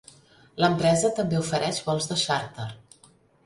L'empresa també ofereix vols de xàrter.